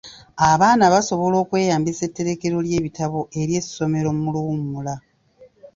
Abaana basobola okweyambisa etterekero ly'ebitabo ery'essomero mu luwummula.